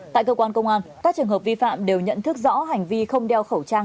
tại cơ quan công an các trường hợp vi phạm đều nhận thức rõ hành vi không đeo khẩu trang